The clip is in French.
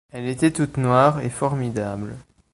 Elle était toute noire, et formidable.